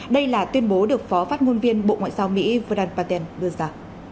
đây là tuyên bố được phó phát ngôn viên bộ ngoại giao mỹ v p đưa ra